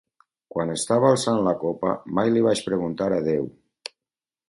Quan estava alçant la copa mai li vaig preguntar a Déu: